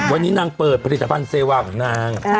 วันนี้นางเปิดผลิตภัณฑ์เซวาของนาง